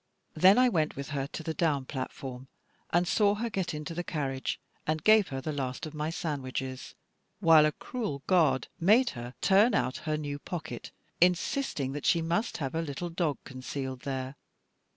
Then I went with her to the down platform, and saw her get into the carriage, and gave her the last of my sandwiches, while a cruel guard made her turn out her new pocket, insisting that she must have a little dog concealed there.